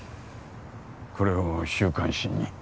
これを週刊誌に？